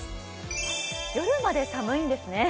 夜まで寒いんですね。